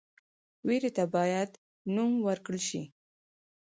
ویرې ته باید نوم ورکړل شي.